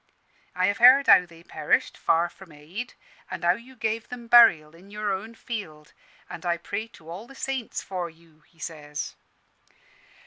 I have heard how they perished, far from aid, and how you gave 'em burial in your own field: and I pray to all the saints for you,' he says.